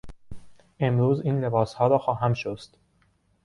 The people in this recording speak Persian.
امروز این لباسها را خواهم شست.